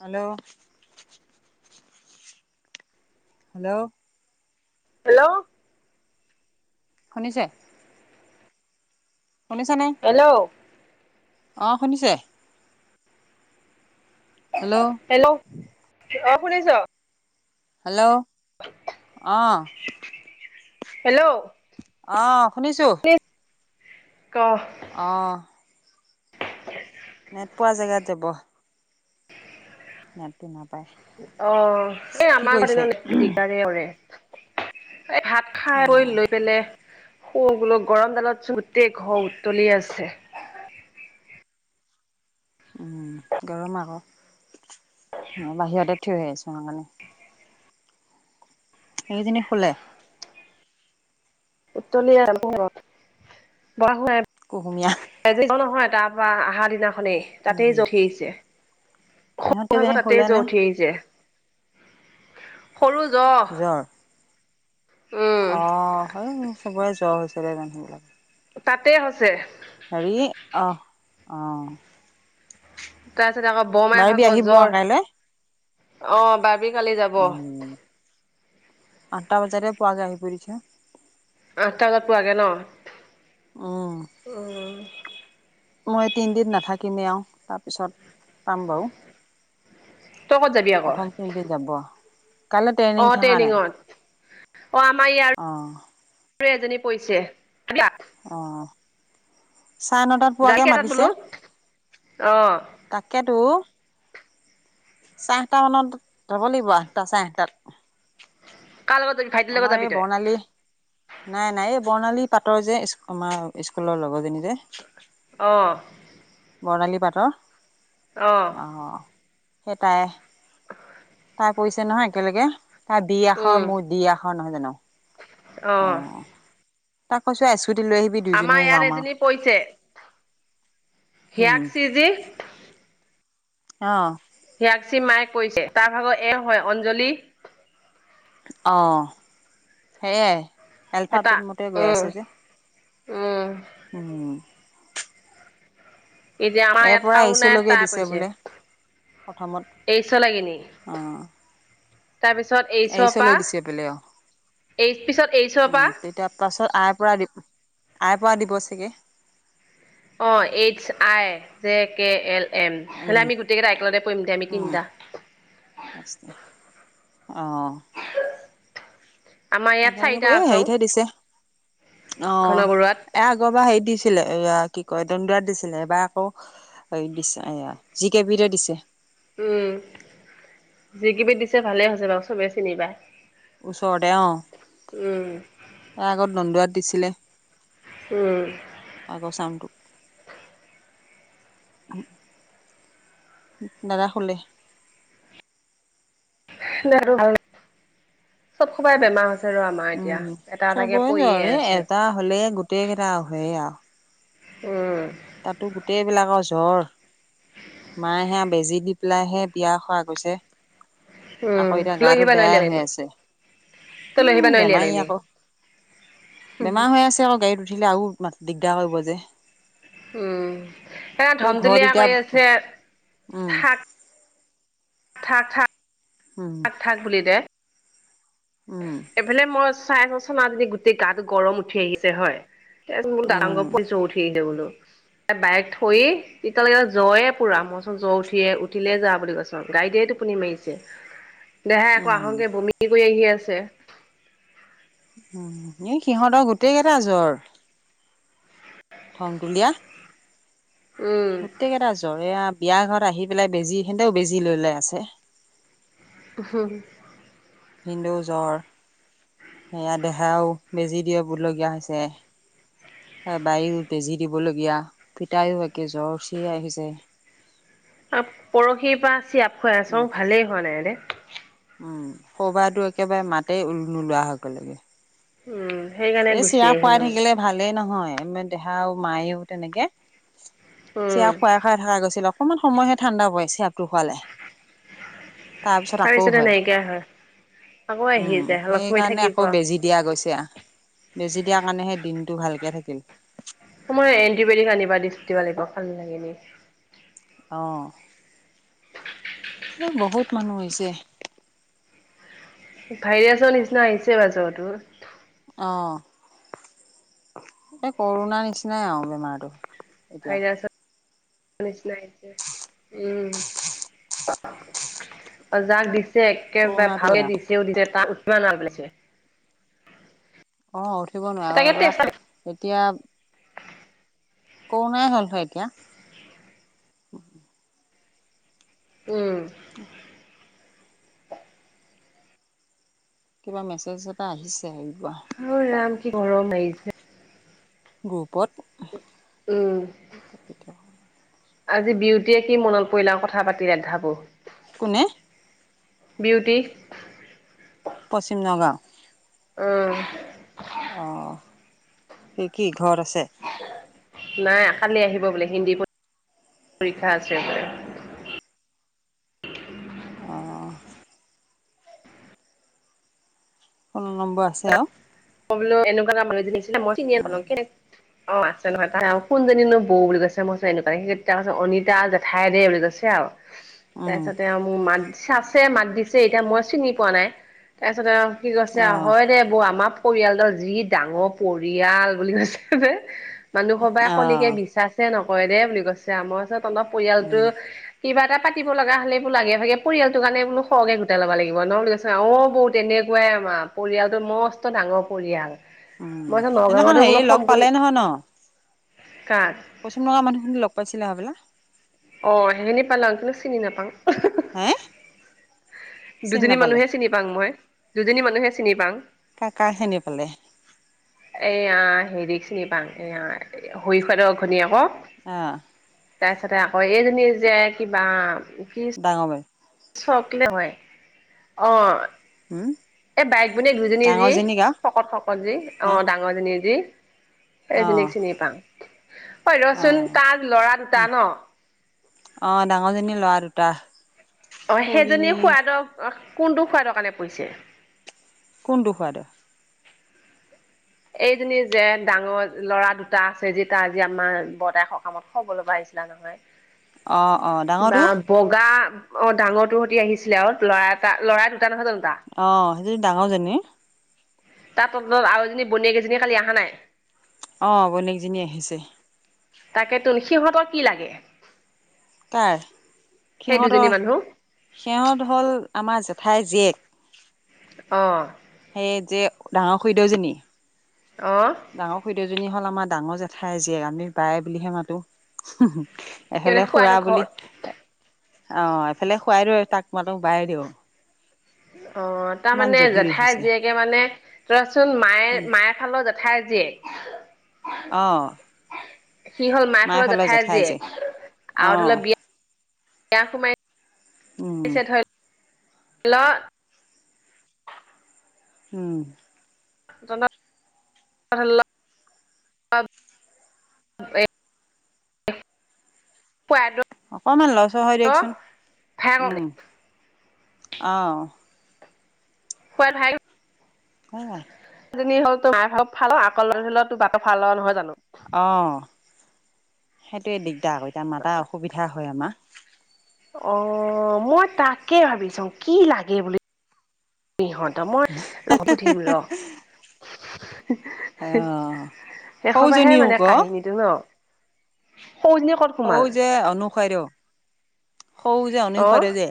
Hello. Hello. Hello. শুনিছে? শুনিছা নে? হেল্ল'। অহ, শুনিছে? হেল্ল'। হেল্ল' অহ, শুনিছ? হেল্ল' অহ। হেল্ল'। অহ, শুনিছোঁ। [unintelligible] ক'। অহ। নেট পোৱা জেগাত যাব। নেটটো নাপায়। অহ, এই কি আমাৰ ঘৰত কৰিছে এনেইও নেটটো দিগদাৰে কৰেই। এই ভাত অ খাই-বৈই লৈ পেলাই শুই গলো গৰম ডালত গোটেই ঘৰ উতলি আছে। উম, গৰম আকৌ বাহিৰতে থিয় হৈ আছো সেইকাৰণে। সেই কেইজননী শুলে? উত্তলি আছে গৰমত। [unintelligible] নাই। কুহুমীয়া। নহয় তাৰপৰা আহা দিনাখনেই তাতেই জ্বৰ উঠি আহিছে। ইহঁত তাৰ আকৌ কেইজনী তাতে শুলে নে জ্বৰ উঠি আহিছে। সৰু জহ। জ্বৰ অ' স চবৰে জ্বৰ হৈছে জানা। তাতে হৈছে। হেৰি অ' অ'। তাৰপিছত আকৌ বৰমাই পাৰিবি ভাগৰ আহিব জ্বৰ, কাইলৈ অ' বাৰ্বি কালি যাব। উম আঠটা বজাতে পুৱো গাড়ী বহিছে। আঠটা বজাত পোৱাকে ন। অ'। উম মই তিনদিন নাথাকিমে আৰু তাৰপিছত, পাম বাৰু। তই কত যাবি আকৌ। তিনদিন যাব। কাইলৈ ট্ৰেইনিং অ' থকা নাই ট্ৰেইনিঙত, অ' আমাৰ ইয়াৰ অঁ এজনি পৰিছে [unintelligible] অ'। চাহ নতাত ৰাতি কেটাত খোলো, অ'। তাকেতো। চাৰে আঠটা মানত, যাব লাগিব আঠটা চাৰে আঠটাত। কাৰ লগত যাবি? ভাইটিৰ লগত আমাৰ যাবি এই তই বৰ্ণালী নাই নাই, এই বৰ্ণালী পাটৰ যে আমাৰ স্কুলৰ লগৰজনী যে। অ'। বৰ্ণালী পাটৰ, অ আহ সেই টাই পৰিছে নহয় একেলগে, তাৰ বি আখৰ উম মোৰ দি আখৰ নহয়, জানো অ'। তাক কৈছো স্কুটি লৈ আহিবি। আমাৰ দুইজনীয়ে ইয়াত যাম এজনী আৰু পৰিছে, উম হিয়াক চি যি অ'। হিয়াকসী মায়েক কৈছে তাৰ ভাগত এ হয় অঞ্জলি। অ' সেয়াই। এটা এলফাপেট মতে গৈ উম আছে যে, উম উম। এতিয়া আমাৰ এ ইয়াত পৰা কাউনাইত এইচলৈকে তাই দিছে পৰিছে বোলে। প্ৰথমত, এইচ লাগিনি অ'। তাৰপিছত এইচৰপা, অঁ এই পিছত এইচৰপা তেতিয়া পাছত আইৰ পৰা, আইৰ পৰা দিব চাগে। অ' H I J K L. M হলে আমি গোটেই কেইটা একেলতে পৰিম দে আমি তিনিটা। অ'। আমাৰ এ ইয়াত চাৰিটা সেৰিতয়ে এই আছৌ হেৰিতহে দিছে ঘন বৰুৱাত অ' এক ব হেৰি দিছিলে এ কি কয় দণ্ডিয়াত দিছিলে, এই বাৰ আকৌ দিছে, এয়া জি কে বিৰে দিছে। উম, যি কিবি দিছে ভালে হৈছে বাৰু চবে চিনি পাই। ওচৰতে অ', তাৰ আগত নন্দোৱাত দিছিলে। উম। আগচাউণ্টো। দাদা হলে [unintelligible] চব সবাই বেমাৰ আছে। আৰু আমাৰ এতিয়া, উম এটা এটাকে চবৰে পৰিয়ে জ্বৰ এই আছে। এটা হ'লে গোটেই কেইটা হয়ে আৰু। উম। তাতো গোটেইবিলাকৰ জ্বৰ। মায়ে সেয়া বেজি দি পেলাইহে বিয়া খোৱা গৈছে। উম আকৌ এতিয়া লৈ গাটো আহিবা নোৱাৰিলি বেয়াই হৈ এনে আছে তই লৈ উম, আহিবা নোৱাৰিলি বেমাৰী এনে আকৌ। বেমাৰ হৈ আছে আকৌ গাড়ীত উঠিলে আৰু দিগদাৰ কৰিব যে। উম, তেওঁ ঘৰত ধমজুলীয়া এতিয়া কৰি আছে উম, থাক থাক থা উম, থাক বুলি দে উম, এইফালে মই চাই চছ মী গোটেই গাটো গৰম উঠি আহিছে হয়। [unintelligible] ডাৰংগৰ উম পুলিচ উঠি আহিলে বুলো। বাইক থৈ তেতিয়ালৈকে জয়ে পুৰা মোৰ ওচৰত জ্বৰ উঠিয়ে উঠিলে যা বুলি কৈছো। গাইডে টোপুনি মাৰিছে। [inaudible] দেহাই আকৌ উম আহংকে বমি কৰি আহি আছে। উম, এই সিহঁতৰ গোটেই কেইটা জ্বৰ। খং তুলীয়া উম, গোটেই কেইটা জ্বৰ এয়া বিয়া ঘৰত আহি পেলাই বেজি সেহঁতেও বেজি লৈ লৈ আছে। [unintelligible] ভিন্দেও জ্বৰ, সেয়া দেহাও বেজি দিবলগীয়া হৈছে। বায়ো বেজি দিবলগীয়া পিতায়ো একে জ্বৰ উঠি আহিছে। [inaudible] পৰহিৰ পৰা চিৰাপ খুৱাই আছো ভালেই হোৱা নাই ৰে। উম, হৰু বায়েটো একেবাৰে মাতেই নোলোৱা সৈগলগে উম, সেইকাৰণে এই গুচি চিৰাপ খুৱাই আহিলোঁ। থাকিলে ভালেই নহয় দেহাও মায়েও তেনেকে উম, চিৰাপ খুৱাই খোৱাই থকা গৈছিলে অকমান সময়হে ঠাণ্ডা পৰে চেৰাপটো খোৱালে। পাৰিছে নে নাই, এতিয়া আকৌ উম আহি যায় অলপ সময় সেইকাৰণে থাকিব দিয়া গৈছে বেজি দিয়াৰ কাৰণেহে দিনটো ভালকে থাকিল। মই এণ্টিবায়টিক আনিবা দিছ দিব লাগিব ভাল লাগে নে অ', এ বহুত মানুহ হৈছে। ভাইৰাছৰ নিচিনা আহিছে এইবাৰ জ্বৰটো অ', এই কৰোণা নিচিনাই আৰু বেমাৰটো। এতিয়া ভাইৰাছৰ নিচিনা আহিছে। উম, অ', যাক দিছ একেবাৰে কৰোণাটোৱে ভালে আৰু দিছেও দিছে তাত উঠা পেলাইছে অ', উঠিব নোৱাৰো তাকে এবাৰ টেষ্ট এতিয়া কৰোণাই হ'ল হয় এতিয়া উম, কিবা মেছেজ এটা আহিছে অ, ৰাম কি গৰম লাগিছে। গ্ৰুপত উম, আজি বিউটিয়ে কি মনত পৰিলে আৰু কথা পাতি [unintelligible] কোনে? বিউটি পশ্চিম নগাঁও উম, অ', সি কি ঘৰত আছে? নাই কালি আহিব বোলে হিন্দী পৰীক্ষা আছে অ। ফোন নম্বৰ আছে আৰু। [unintelligible] অ আছে নহয় তাই কোনজনীনো বৌ বুলি কৈছে মই কৈছে এনেকুৱা [unintelligible] অনিতা জেঠাই দেই। বুলি কৈছে আৰু [inaudible] তাৰপিছতে মোৰ মাত চাছে মাত দিছে এতিয়া মই চিনি পোৱা নাই। তাৰপিছতে আৰু কি কৈছে অ হয় দে বৌ আমাক পৰিয়ালটোৰ যি ডাঙৰ পৰিয়াল বুলি কৈছে। মানুহ সবাই অ কলিকে বিচা নকৰে দেই বুলি কৈছে, মই কৈছোঁ তহঁতৰ পৰিয়ালটো উম কিবা এটা পাতি লগা হ'লে বুলো আগে ভাগে পৰিয়ালটোৰ কাৰণে বোল সৰহে কে গোট ল'ব লাগিব। অ বৌ তেনেকুৱাই আমাৰ, পৰিয়ালটো মস্ত ডাঙৰ পৰিয়াল। উম মই কৈছোঁ সদিনাখন নগাঁৱতো বোলো হেৰি লগ সম্পূৰ্ণ পালে নহয় ন? কাক? পশিমঙৰ মানুহখিন লগ পাইছিলা হবলা। অ সেইখিনি পালং কিন্তু চিনি নাপাং। হে চিনি দুজনী নাপালে মানুহে চিনি মই দুজনী মানুহে চিনি পাং। কা-কাক চিনি পালে। এয়া হেৰি চিনি পাং, এয়া হৰি খুৰাকৰ ঘনী একোক। হা। তাৰপিছতে আকৌ এইজনী যে কিবা কি [unintelligible] [unintelligible] অ [inaudible] এ বাইক-ভনীয়েক দুইজনী যি ডাঙৰজনীক আৰু শকত শকত যি অ হে ডাঙৰজনী যি এজনীক অ চিনি পাং। ঐ ৰচোন অ তাজ ল'ৰা দুটা ন? অ ডাঙৰজনীৰ ল'ৰা দুটা। অ সেইজনী সৰুজনী খোৱাদৰ কোনটো খোৱাদৰ কাৰণে পৰিছে। কোনটো খাদ এইজনী যে ডাঙৰ ল'ৰা দুটা আছে যি তাৰ যি আজি আমাৰ বতাই সকামত খবলৈব আহিছিলা ন। [inaudible] অ অ ডাঙৰটো। বগা অ ডাঙৰটোহঁতি আহিছিলে আৰু, ল'ৰা এটা ল'ৰা দুটা নহয় জানো তা? অ সেইজনী ডাঙৰজনী। তাত তত আৰুজনী বনীয়েকেইজনী কালি অহা নাই। অঁ বনকজনী আহিছে। তাকে তোন সিহঁতৰ কি লাগে? তাৰ সেই দুজনী সিহঁতৰ মানুহ সিহঁত হ'ল আমাৰ জেঠাইৰ জীয়েক। অ। সেয়ে যে ডাঙৰ খৰিদেউ জনী অ। ডাঙৰ খুৰীদেউজনী হ'ল আমাৰ ডাঙৰ জেঠাই জীয়েক। আমি বায় বুলিহে মাতো। সি মানে এফালে খুৰা খোৱাটো বুলি ঘৰত অ এফালে খৰাই দিও তাক মাত বাই দিওঁ। অ তাৰ মানে জটিল জেঠাই হৈছে জীয়েকে মানে তৰাচোন মায়ে মায়ে ফালৰ জেঠাই জীয়েক। অ। সি হ'ল মাৰ ফালৰ মাইফালৰ জেঠাইৰ জেঠাই যে জীয়েক, অ আৰু ধৰি লও বিয়া বিয়া সোমাই উম ধৰি- ল উম। [unintelligible] [inaudible] অকমান লৰ চৰ হয় দিয়কচোন। উম, অ'। হয়াল ভাই। সেয়ে। হেইজনি হ'ল তোৰ মাকৰ ফালৰ আকৌ হ'লেও তোৰ বাপৰ ফালৰ নহয় জানো? অ' সেইটোয়ে দিগদাৰ আক এতিয়া মাতাৰ অসুবিধা হয় আমাৰ। অ' মই তাকে ভাবি চাওঁ কি লাগে বুলি। সিহঁত মই ৰ সুধিম ৰ। অ', এসপাহে সৰুজনীও মানে ক কাহিনী। ন' সৌজনী কৰ সৌ যে অনুসাইৰো সৌ যে অ' অনুসাৰেযে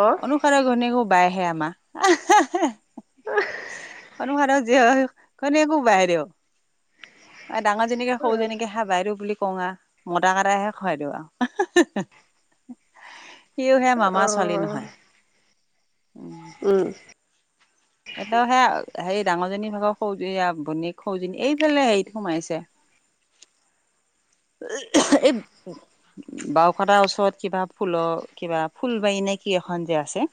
অ' অনুসাৰে ঘৈণীয়েকে বাইহে আমাৰ। অনুসাৰে ঘৈণীয়েকো বায়েৰেও, ডাঙৰজনীকে সৰুজনীকে কঠা বাইদেউ বুলি কওঁহা মতা কটাইহে খুৱাই দিওঁ আৰু। সিওহে মামাৰ ছোৱালী নহয়। অ' উম। এটিয়াহে হেৰি ডাঙৰজনী ভাগৰ সৌজ ভনীক সৌজনী এইফালে হেৰিত সোমাইছে। এই বাওকতাৰ ওচৰত কিবা ফুলৰ কিবা ফুল বাৰী নে কি এখন যে আছে?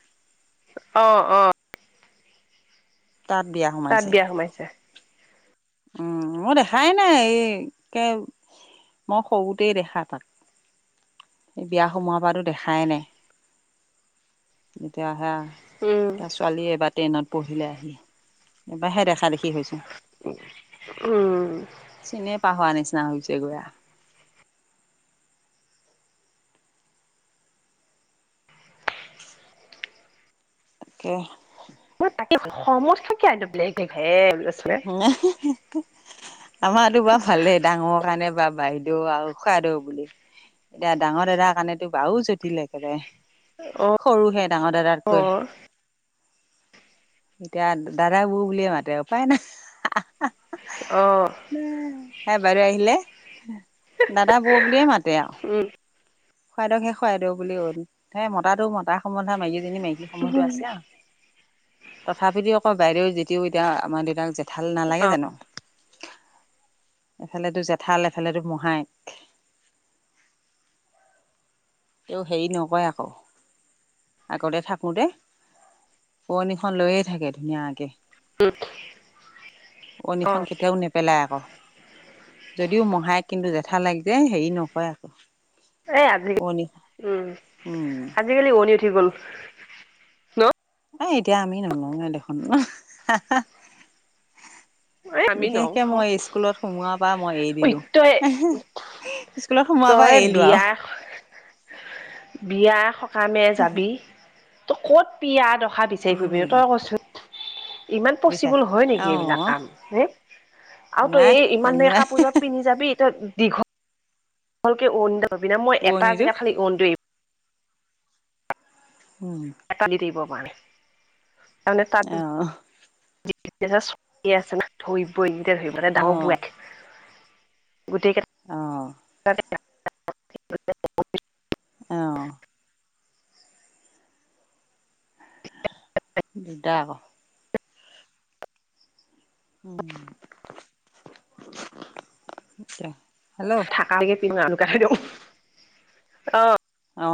অ', অ'। তাত বিয়া তাত সোমাইছে। বিয়া সোমাইছে। উম, মই দেখাই নাই, এই কে মই সৰুতেই দেখা তাক। এই বিয়া সোমোৱা পৰাতো দেখাই নাই। যেতিয়া আহে আ, উম তাৰ ছোৱালীয়ে এবাৰ টেইনত পঢ়িলে আহি। এইবাৰহে দেখা দেখি হৈছোঁ। উম চিনিয়ে পাহৰা নিচিনা হৈছে গৈ আ। তাকে। মই তাকে ভাবোঁ সমত থাকে আইডে বেলেগ বেলেগ হে আছে। আমাৰটো বা ভালেই ডাঙৰ কাৰণে বা বাই দেউ আৰু খুৱাইদেও বুলি, এতিয়া ডাঙৰ দাদাৰ কাৰণেতো বাৰু জটিল একেবাৰে। অ' সৰুহে ডাঙৰ দাদাতকৈ। অ' এতিয়া দাদাই বৌ বুলিয়ে মাতে, উপায় নাই। অ'। হেই বাইদেউ আহিলে দাদা বৌ বুলিয়ে মাতে আৰু। খুৱাইদেউক হে খুৱাইদেউ বুলি হ'ল, সেই মতাটো মতাৰ সম্বন্ধ আ, মাইকীজনীক মাইকী। সমন্ধ উম আছে। তথাপিটো আকৌ বাইদেও যেদিও এতিয়া আমাৰ দেউতাক যে ভাল নালাগে জানো? এফালেতো জেঠাল, এফালেতো মহাই। তেওঁ হেৰি নকয় আকৌ। আগতে থাকোতে উৰণিখন লৈয়ে থাকে ধুনীয়াকে। অ' উৰণিখন কেতিয়াও নে পেলাই আকৌ, যদিও মহায়েক কিন্তু জেঠালেক যে হেৰি নকৰে আকৌ। এ, আজি ওৱনি উম, উম আজিকালি উৰণি উঠি গ'ল। ন এ, এতিয়া আমি নলৱে দেখোন। এ আমি বিশেষকে নথ মই স্কুলত সোমোৱাৰপা মই এৰি ঐ দিলোঁ। তই স্কুলত সোমোৱাৰপা তই এৰিলো আৰু। বিয়া বিয়া সকামে যাবি। তই ক'ত পিয়া দখা বিচাৰি উম ফুৰিবিনো তই কছোন? ইমান বুজিছা পচিবল হয় নেকি এইবিলাক অ কাম হে? আৰু তই এই নোৱাই ইমান নোৱাই কাপোৰজাপো পিন্ধি যাবি তই দীঘলকে উৰণিডাল লবি না, মই এটা পুৰণিটো জেগাত খালি উৰণিটো এৰিম। উম, এটা দি দিব পাৰেে তাৰমানে তাত অ অ [inaudible] গোটেই অ কেইটা [inaudible] অ, দিগদা আক' উম, হেল্ল', [inaudible] অ অ,